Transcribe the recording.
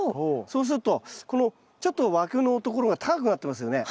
そうするとこのちょっと枠のところが高くなってますよね。